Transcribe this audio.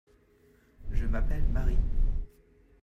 Je m'appelle Mary.